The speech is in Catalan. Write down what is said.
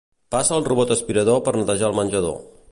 Passa el robot aspirador per netejar el menjador.